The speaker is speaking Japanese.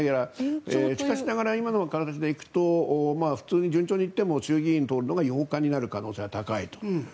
しかしながら今の感じで行くと順調に行っても衆議院を通るのが８日になる可能性が高いと。